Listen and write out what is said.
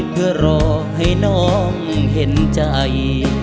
เพื่อรอให้น้องเห็นใจ